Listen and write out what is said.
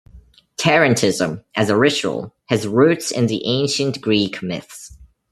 Tarantism, as a ritual, has roots in the ancient Greek myths.